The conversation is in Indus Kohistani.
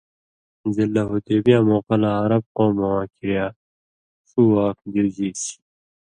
صُلح حدیبییاں موقع لا عرب قومہ واں کِریا ݜُو واک دیُوژیسیۡ